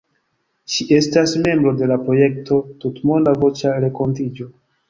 Ŝi estas membro de la projekto "Tutmonda Voĉa Renkontiĝo".